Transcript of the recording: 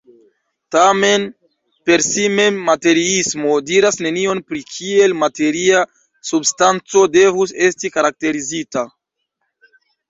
Tamen, per si mem materiismo diras nenion pri kiel materia substanco devus esti karakterizita.